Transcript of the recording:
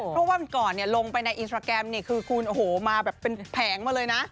เพราะว่าเมื่อก่อนลงไปในอินทราแกรมคือคุณมาแบบเป็นแผงมาเลยนะ